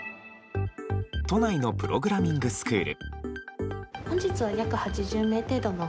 都内のプログラミングスクール。